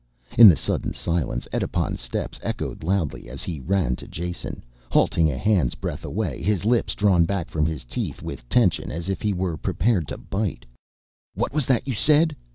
In the sudden silence Edipon's steps echoed loudly as he ran to Jason, halting a hand's breadth away, his lips drawn back from his teeth with tension as if he were prepared to bite. "What was that you said?"